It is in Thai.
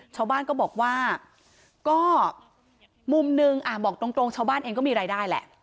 ชาวบ้านก็บอกว่าก็มุมหนึ่งบอกตรงชาวบ้านเองก็มีรายได้แหละ